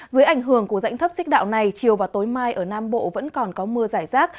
dưới ảnh hưởng của dãnh thấp xích đạo này chiều và tối mai ở nam bộ vẫn còn có mưa giải rác